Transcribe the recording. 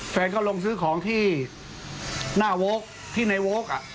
แฟนก็ลงซื้อของที่หน้าโว๊คที่ในโว๊ค